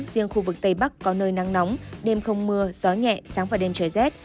riêng khu vực tây bắc có nơi nắng nóng đêm không mưa gió nhẹ sáng và đêm trời rét